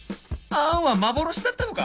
「あん」は幻だったのか？